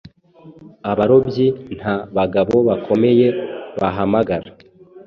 Abarobyi nta bagabo bakomeye bahamagara,